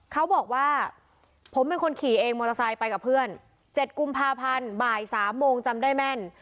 เขาบอกว่าผมเป็นคนขี่เองมอเตอร์ไซค์ไปกับเพื่อน๗กุมภาพันธ์บ่าย๓โมงจำได้แม่น